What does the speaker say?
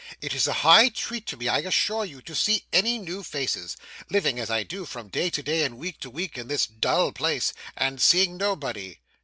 'It is a high treat to me, I assure you, to see any new faces; living as I do, from day to day, and week to week, in this dull place, and seeing nobody.